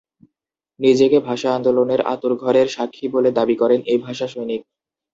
নিজেকে ভাষা আন্দোলনের 'আঁতুড় ঘরের' সাক্ষী বলে দাবি করেন এ ভাষাসৈনিক।